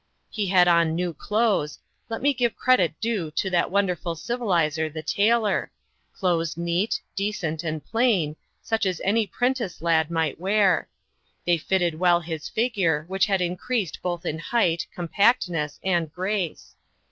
He had on new clothes let me give the credit due to that wonderful civiliser, the tailor clothes neat, decent, and plain, such as any 'prentice lad might wear. They fitted well his figure, which had increased both in height, compactness, and grace.